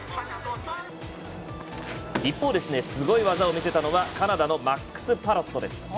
一方ですねすごい技を見せたのがカナダのマックス・パロットです。